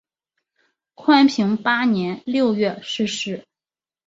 宽平八年六月逝世。